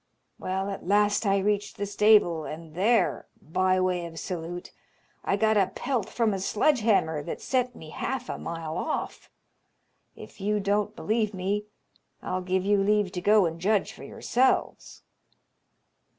Well, at last I reached the stable, and there, by way of salute, I got a pelt from a sledge hammer that sent me half a mile off. If you don't believe me, I'll give you leave to go and judge for yourselves."